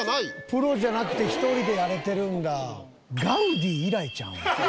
プロじゃなくて１人でやれてるんだ。